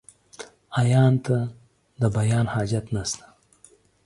عيان ته ، د بيان حاجت نسته.